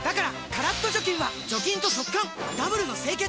カラッと除菌は除菌と速乾ダブルの清潔！